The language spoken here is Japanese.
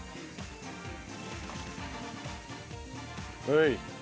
はい。